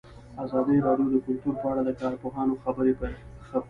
ازادي راډیو د کلتور په اړه د کارپوهانو خبرې خپرې کړي.